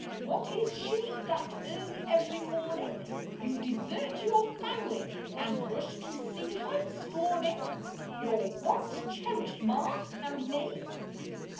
What is she That early every morning You desert your family And rush to see her, scorning Your once cherished ma and me?